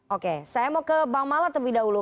oke saya mau ke bang mala terlebih dahulu